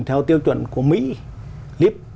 theo tiêu chuẩn của mỹ